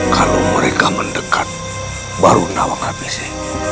kalau mereka mendekat baru nawang habisi